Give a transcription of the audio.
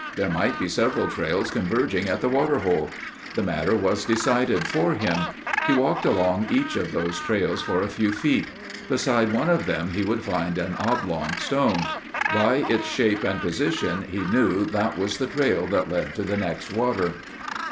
There might be several trails converging at the water hole. The matter was decided for him. He walked along each of those trails for a few feet. Beside one of them he would find an oblong stone. By its shape and position he knew that was the trail that led to the next water.